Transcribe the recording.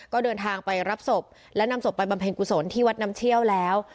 ก็เดินทางไปรับศพและนำศพไปบำเพ็ญกุศลที่วัดน้ำเชี่ยวแล้ว